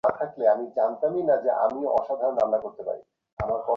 আমার হারানো পাঁচ বছর ফিরিয়ে দে!